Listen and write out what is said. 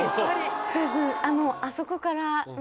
あそこから。